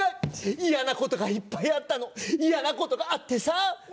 嫌なことがいっぱいあったの嫌なことがあってさ本当に」。